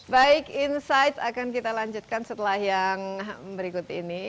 baik insight akan kita lanjutkan setelah yang berikut ini